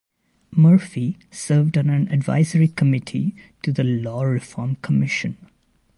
Murphy served on an advisory committee to the Law Reform Commission.